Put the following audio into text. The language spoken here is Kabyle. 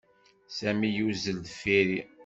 Sami yuzzel deffir-i.